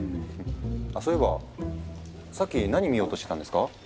あそういえばさっき何見ようとしてたんですか？